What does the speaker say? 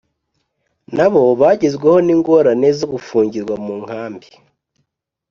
na bo bagezweho n ingorane zo gufungirwa mu nkambi